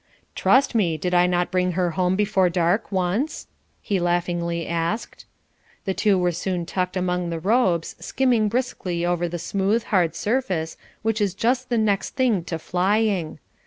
"Trust me; did I not bring her home before dark once?" he laughingly asked. The two were soon tucked among the robes, skimming briskly over the smooth, hard surface, which is just the next thing to flying.